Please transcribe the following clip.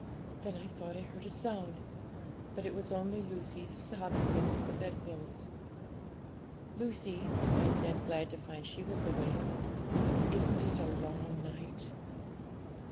Then I thought I heard a sound, but it was only Lucy sobbing beneath the bedclothes. '"Lucy," I said, glad to find she was awake, "isn't it a long night?"